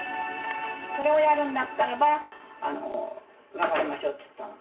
これをやるんだったら、別れましょうと言ったの。